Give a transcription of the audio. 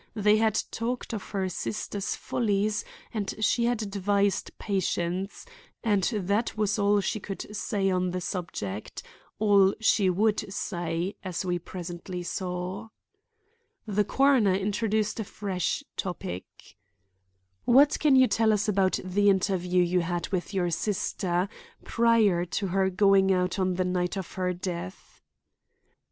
They had talked of her sister's follies and she had advised patience, and that was all she could say on the subject—all she would say, as we presently saw. The coroner introduced a fresh topic. "What can you tell us about the interview you had with you sister prior to her going out on the night of her death?"